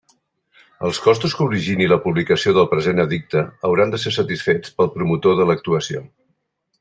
Els costos que origine la publicació del present edicte hauran de ser satisfets pel promotor de l'actuació.